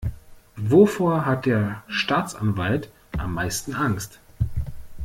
Wovor hat der Staatsanwalt am meisten Angst?